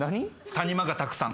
谷間がたくさん。